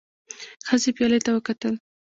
ښځې پيالې ته وکتل.